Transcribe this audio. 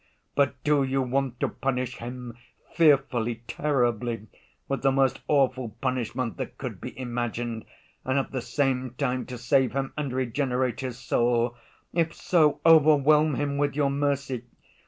"But do you want to punish him fearfully, terribly, with the most awful punishment that could be imagined, and at the same time to save him and regenerate his soul? If so, overwhelm him with your mercy!